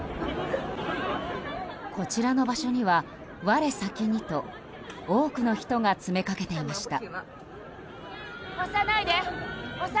こちらの場所には我先にと多くの人が詰めかけていました。